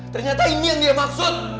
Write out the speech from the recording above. ternyata ini yang dia maksud